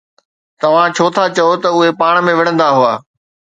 توهان ڇو ٿا چئو ته اهي پاڻ ۾ وڙهندا هئا؟